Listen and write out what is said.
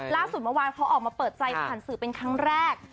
ล่าสุดเมื่อวานเขาออกมาเปิดใจผ่านสื่อเป็นครั้งแรก